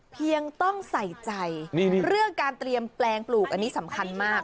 เพียงต้องใส่ใจเรื่องการเตรียมแปลงปลูกอันนี้สำคัญมาก